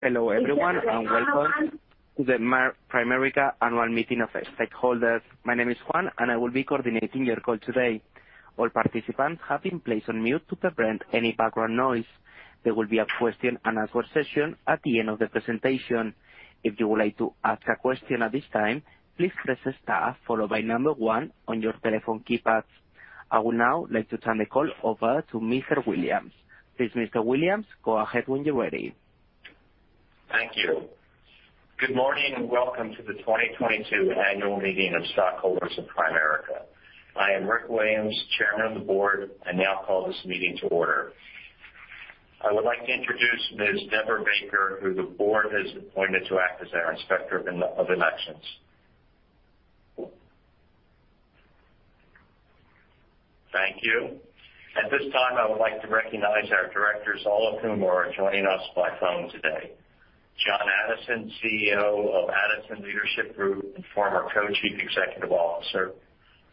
Hello everyone, and welcome to the Primerica Annual Meeting of Stockholders. My name is Juan, and I will be coordinating your call today. All participants have been placed on mute to prevent any background noise. There will be a question and answer session at the end of the presentation. If you would like to ask a question at this time, please press star followed by number 1 on your telephone keypads. I would now like to turn the call over to Mr. Williams. Please, Mr. Williams, go ahead when you're ready. Thank you. Good morning, and welcome to the 2022 annual meeting of stockholders of Primerica. I am Rick Williams, Chairman of the Board, and now call this meeting to order. I would like to introduce Ms. Deborah Baker, who the Board has appointed to act as our Inspector of Elections. Thank you. At this time, I would like to recognize our directors, all of whom are joining us by phone today. John Addison, CEO of Addison Leadership Group and former Co-Chief Executive Officer.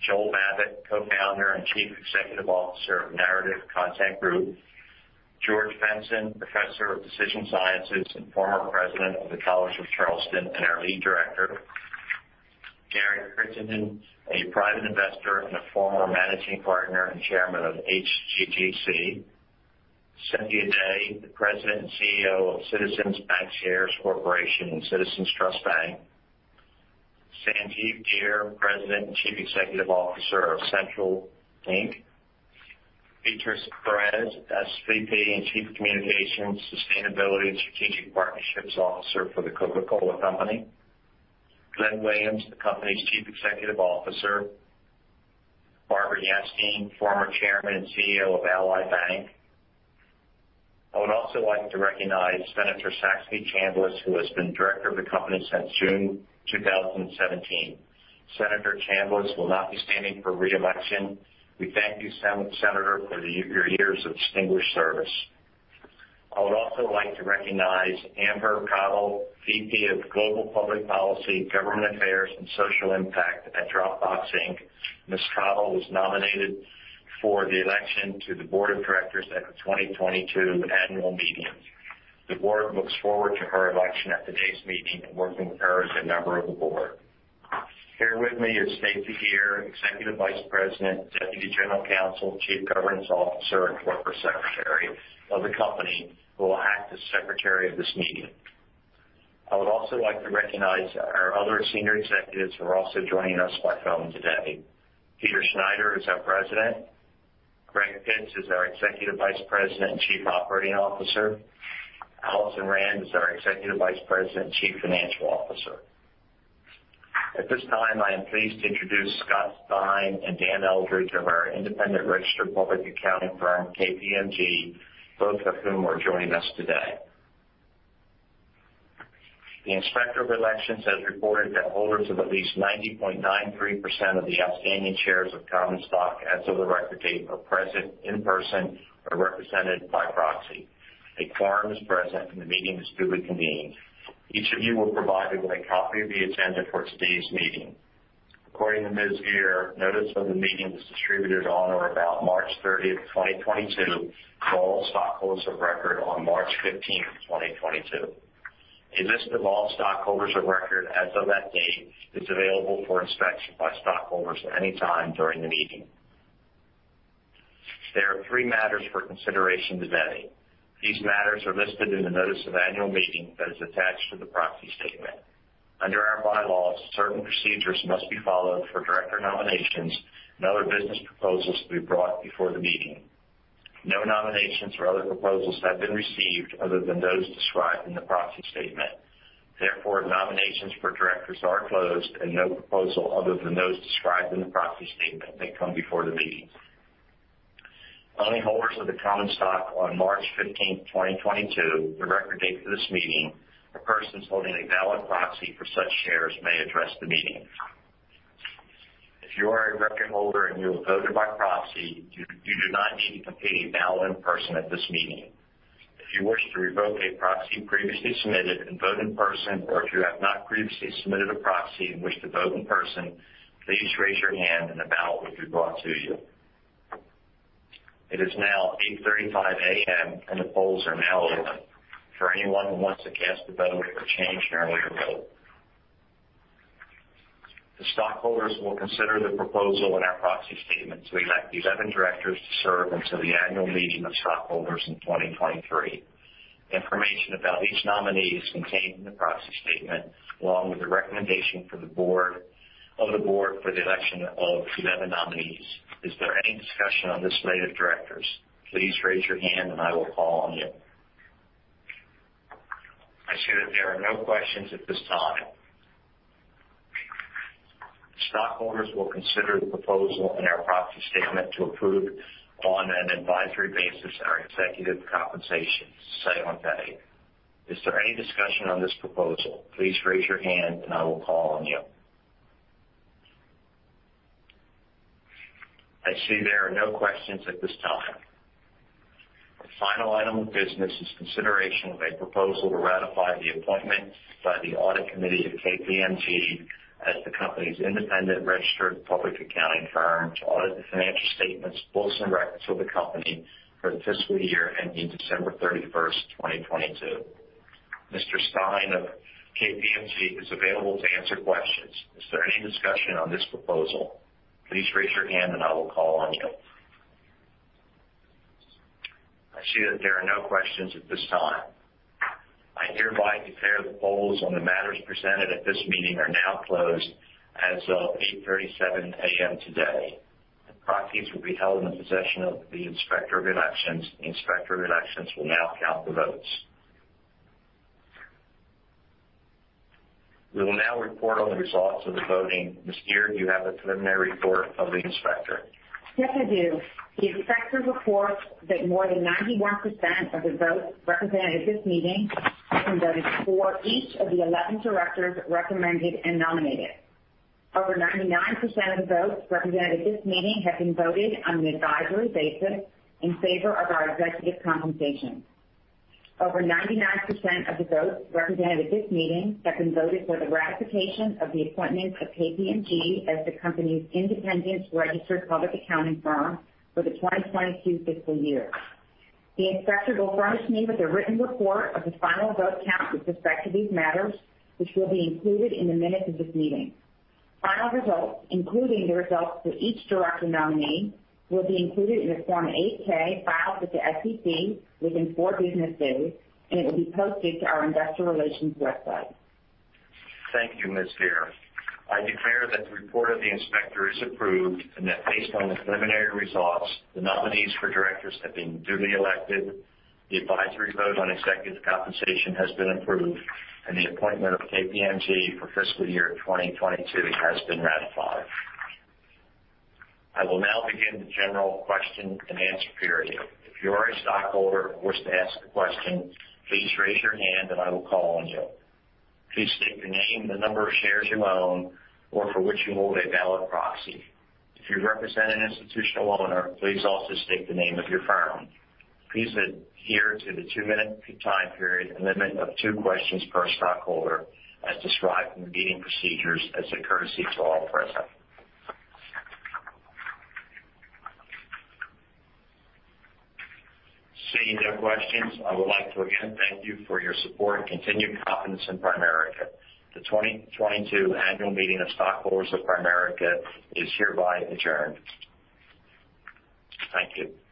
Joel Babbit, Co-founder and Chief Executive Officer of Narrative Content Group. George Benson, Professor of Decision Sciences and former President of the College of Charleston, and our Lead Director. Gary Crittenden, a private investor and a former Managing Partner and Chairman of HGGC. Cynthia Day, the President and CEO of Citizens Bancshares Corporation and Citizens Trust Bank. Sanjiv Gier, President and Chief Executive Officer of CENTRL, Inc. Bea Perez, SVP and Chief Communications, Sustainability and Strategic Partnerships Officer for The Coca-Cola Company. Glenn Williams, the company's Chief Executive Officer. Barbara Yastine, former Chairman and CEO of Ally Bank. I would also like to recognize Senator Saxby Chambliss, who has been Director of the company since June 2017. Senator Chambliss will not be standing for re-election. We thank you, Senator, for your years of distinguished service. I would also like to recognize Amber Cottle, VP of Global Public Policy, Government Affairs & Social Impact at Dropbox, Inc. Ms. Cottle was nominated for the election to the Board of Directors at the 2022 annual meeting. The Board looks forward to her election at today's meeting and working with her as a member of the Board. Here with me is Stacey Geer, Executive Vice President, Deputy General Counsel, Chief Governance Officer, and Corporate Secretary of the company, who will act as Secretary of this meeting. I would also like to recognize our other senior executives who are also joining us by phone today. Peter Schneider is our President. Greg Pitts is our Executive Vice President and Chief Operating Officer. Alison Rand is our Executive Vice President and Chief Financial Officer. At this time, I am pleased to introduce Scott Stein and Dan Eldridge of our independent registered public accounting firm, KPMG, both of whom are joining us today. The Inspector of Elections has reported that holders of at least 90.93% of the outstanding shares of common stock as of the record date are present in person or represented by proxy. A quorum is present, and the meeting is duly convened. Each of you were provided with a copy of the agenda for today's meeting. According to Ms. Geer, notice of the meeting was distributed on or about March 30th, 2022, to all stockholders of record on March 15th, 2022. A list of all stockholders of record as of that date is available for inspection by stockholders at any time during the meeting. There are three matters for consideration today. These matters are listed in the notice of annual meeting that is attached to the proxy statement. Under our bylaws, certain procedures must be followed for director nominations and other business proposals to be brought before the meeting. No nominations or other proposals have been received other than those described in the proxy statement. Therefore, nominations for directors are closed, and no proposal other than those described in the proxy statement may come before the meeting. Only holders of the common stock on March 15th, 2022, the record date for this meeting, or persons holding a valid proxy for such shares may address the meeting. If you are a record holder and you have voted by proxy, you do not need to complete a ballot in person at this meeting. If you wish to revoke a proxy previously submitted and vote in person, or if you have not previously submitted a proxy and wish to vote in person, please raise your hand and a ballot will be brought to you. It is now 8:35 A.M., and the polls are now open for anyone who wants to cast a vote or change an earlier vote. The stockholders will consider the proposal in our proxy statement to elect these 11 directors to serve until the annual meeting of stockholders in 2023. Information about each nominee is contained in the proxy statement, along with the recommendation of the board for the election of the 11 nominees. Is there any discussion on this slate of directors? Please raise your hand and I will call on you. I see that there are no questions at this time. Stockholders will consider the proposal in our proxy statement to approve, on an advisory basis, our executive compensation, say on pay. Is there any discussion on this proposal? Please raise your hand and I will call on you. I see there are no questions at this time. The final item of business is consideration of a proposal to ratify the appointment by the audit committee to KPMG as the company's independent registered public accounting firm to audit the financial statements, books, and records of the company for the fiscal year ending December 31st, 2022. Mr. Stein of KPMG is available to answer questions. Is there any discussion on this proposal? Please raise your hand and I will call on you. I see that there are no questions at this time. I hereby declare the polls on the matters presented at this meeting are now closed as of 8:37 A.M. today. The proxies will be held in the possession of the Inspector of Elections. The Inspector of Elections will now count the votes. We will now report on the results of the voting. Ms. Geer, do you have the preliminary report of the inspector? Yes, I do. The inspector reports that more than 91% of the votes represented at this meeting have been voted for each of the 11 directors recommended and nominated. Over 99% of the votes represented at this meeting have been voted on the advisory basis in favor of our executive compensation. Over 99% of the votes represented at this meeting have been voted for the ratification of the appointment of KPMG as the company's independent registered public accounting firm for the 2022 fiscal year. The inspector will furnish me with a written report of the final vote count with respect to these matters, which will be included in the minutes of this meeting. Final results, including the results for each director nominee, will be included in the Form 8-K filed with the SEC within four business days, and it will be posted to our investor relations website. Thank you, Ms. Geer. I declare that the report of the inspector is approved and that based on the preliminary results, the nominees for directors have been duly elected, the advisory vote on executive compensation has been approved, and the appointment of KPMG for fiscal year 2022 has been ratified. I will now begin the general question and answer period. If you are a stockholder who wishes to ask a question, please raise your hand and I will call on you. Please state your name, the number of shares you own, or for which you hold a ballot proxy. If you represent an institutional owner, please also state the name of your firm. Please adhere to the two-minute time period and limit of two questions per stockholder, as described in the meeting procedures as a courtesy to all present. Seeing no questions, I would like to again thank you for your support and continued confidence in Primerica. The 2022 annual meeting of stockholders of Primerica is hereby adjourned. Thank you.